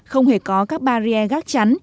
không hề có các barrier gác chắn